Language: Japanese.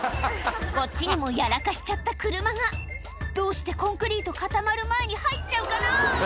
こっちにもやらかしちゃった車がどうしてコンクリート固まる前に入っちゃうかな？